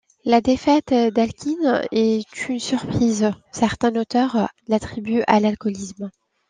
La défaite d'Alekhine est une surprise, certains auteurs l'attribuent à l'alcoolisme.